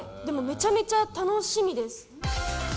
でもめちゃめちゃ楽しみです。